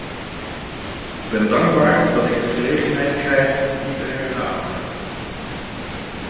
Ik ben dankbaar dat ik de gelegenheid krijg dit te herhalen.